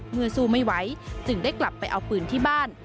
สู้ไม่ไหวจึงได้กลับไปเอาปืนที่บ้าน